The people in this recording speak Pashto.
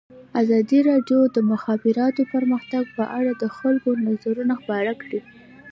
ازادي راډیو د د مخابراتو پرمختګ په اړه د خلکو نظرونه خپاره کړي.